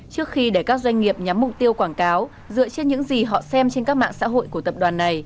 trước khi để các doanh nghiệp nhắm mục tiêu quảng cáo dựa trên những gì họ xem trên các mạng xã hội của tập đoàn này